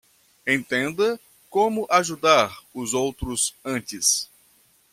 Entenda como ajudar os outros antes